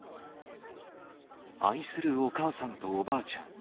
愛するお母さんとおばあちゃん。